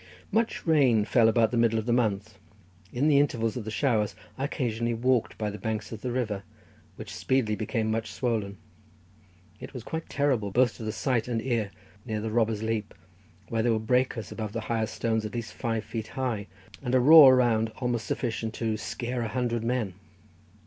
Much rain fell about the middle of the month; in the intervals of the showers I occasionally walked by the banks of the river, which speedily became much swollen; it was quite terrible both to the sight and ear near the "Robber's Leap;" there were breakers above the higher stones at least five feet high, and a roar around almost sufficient "to scare a hundred men."